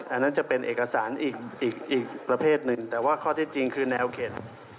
อันนั้นจะเป็นเอกสารอีกประเภทหนึ่งแต่ว่าข้อเท็จจริงคือแนวเขต